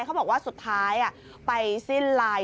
เขาบอกว่าสุดท้ายไปสิ้นลาย